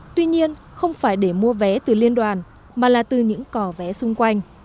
tuy nhiên không phải để mua vé từ liên đoàn mà là từ những cỏ vé xung quanh